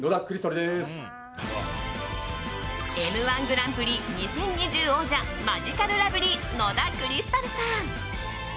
「Ｍ‐１グランプリ２０２０」王者マヂカルラブリー野田クリスタルさん。